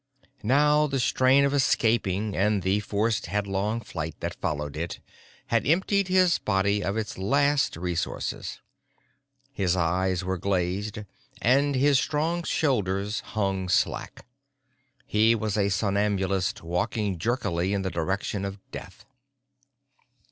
Now, the strain of escape and the forced headlong flight that followed it had emptied his body of its last resources. His eyes were glazed and his strong shoulders hung slack. He was a somnambulist walking jerkily in the direction of death.